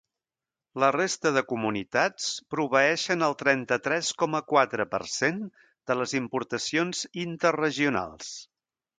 La resta de comunitats proveeixen el trenta-tres coma quatre per cent de les importacions interregionals.